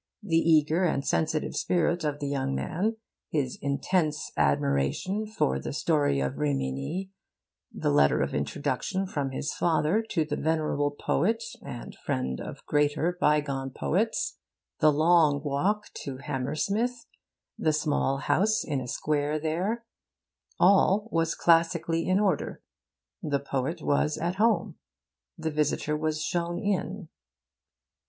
The eager and sensitive spirit of the young man, his intense admiration for 'The Story of Rimini,' the letter of introduction from his father to the venerable poet and friend of greater bygone poets, the long walk to Hammersmith, the small house in a square there all was classically in order. The poet was at home. The visitor as shown in....